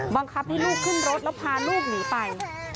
บังคับให้ลูกขึ้นรถแล้วพาลูกหนีไป